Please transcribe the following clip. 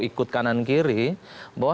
ikut kanan kiri bahwa